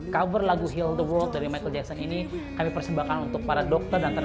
cover lagu hill the world dari michael jackson ini kami persembahkan untuk para dokter dan tenaga